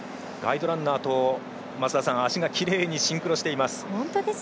ガイドランナーと足がきれいにシンクロしています。